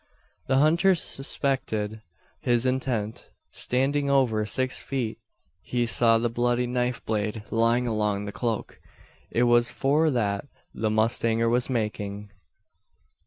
The hunter suspected his intent. Standing over six feet, he saw the bloody knife blade lying along the cloak. It was for that the mustanger was making!